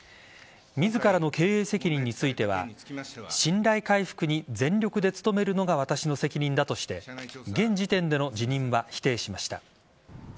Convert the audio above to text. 自らの経営責任については信頼回復に全力で努めるのが私の責任だとして現時点での辞任は否定しました。